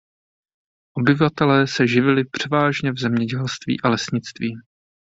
Obyvatelé se živili převážně v zemědělství a lesnictví.